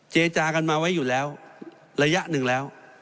จากันมาไว้อยู่แล้วระยะหนึ่งแล้ว